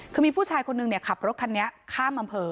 คือมีผู้ชายคนนึงขับรถคันนี้ข้ามอำเภอ